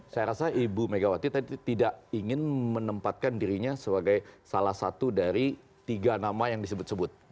saya rasa ibu megawati tadi tidak ingin menempatkan dirinya sebagai salah satu dari tiga nama yang disebut sebut